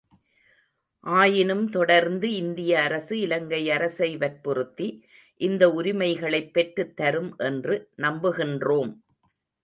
ஆயினும் தொடர்ந்து இந்திய அரசு இலங்கை அரசை வற்புறுத்தி இந்த உரிமைகளைப் பெற்றுத் தரும் என்று நம்புகின்றோம்.